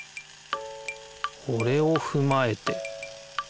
これをふまえて。